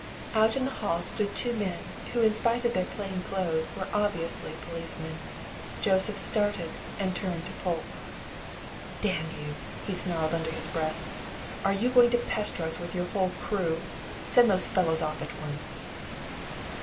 Out in the hall stood two men, who in spite of their plain clothes, were obviously policemen. Joseph started and turned to Polke. "Damn you!" he snarled under his breath. "Are you going to pester us with your whole crew? Send those fellows off at once!"